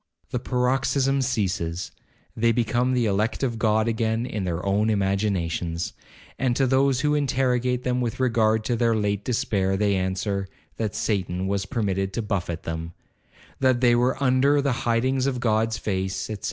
The paroxysm ceases—they become the elect of God again in their own imaginations. And to those who interrogate them with regard to their late despair, they answer, That Satan was permitted to buffet them—that they were under the hidings of God's face, &c.